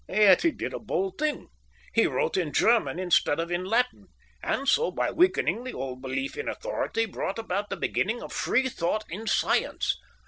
Yet he did a bold thing. He wrote in German instead of in Latin, and so, by weakening the old belief in authority, brought about the beginning of free thought in science.